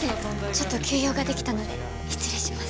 ちょっと急用ができたので失礼します